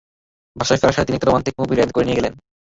বাসায় ফেরার পথে তিনি একটা রোমান্টিক মুভি রেন্ট করে নিয়ে গেলেন।